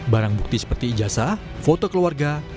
barang bukti seperti ijazah foto keluarga